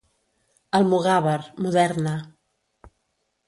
Almogàver, Moderna.